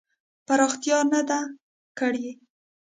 پراختیا نه ده کړې.